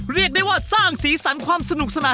เรียกได้ว่าสร้างสีสันความสนุกสนาน